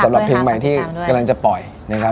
สำหรับเพลงใหม่ที่กำลังจะปล่อยนะครับ